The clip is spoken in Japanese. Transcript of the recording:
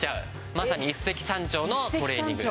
まさに一石三鳥のトレーニングですね。